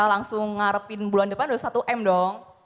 langsung ngarepin bulan depan udah satu m dong